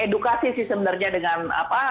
edukasi sih sebenarnya dengan apa